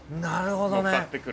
なるほどね。